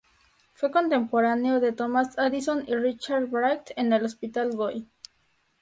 Fue contemporáneo de Thomas Addison y Richard Bright en el Hospital de Guy.